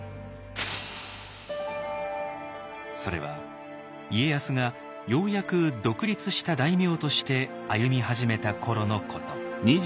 それは家康がようやく独立した大名として歩み始めた頃のこと。